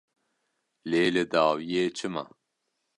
Lê li dawiyê çi ma?